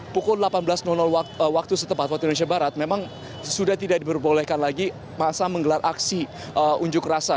pukul delapan belas waktu setempat waktu indonesia barat memang sudah tidak diperbolehkan lagi masa menggelar aksi unjuk rasa